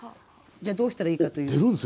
じゃあどうしたらいいかというと。